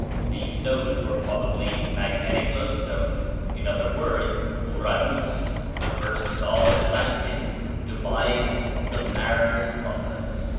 These stones were probably magnetic loadstones; in other words, Ouranus, the first god of Atlantis, devised the mariner's compass.